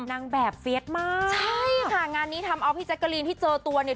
นางแบบเฟียสมากใช่ค่ะงานนี้ทำเอาพี่แจ๊กกะลีนที่เจอตัวเนี่ย